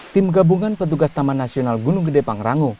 tim gabungan petugas taman nasional gunung gede pangrango